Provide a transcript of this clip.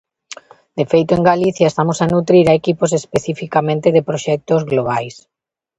De feito, en Galicia estamos a nutrir a equipos especificamente de proxectos globais.